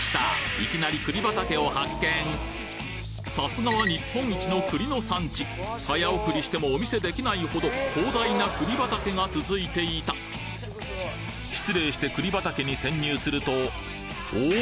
いきなりさすがは日本一の栗の産地早送りしてもお見せできないほど広大な栗畑が続いていた失礼して栗畑に潜入するとおぉ！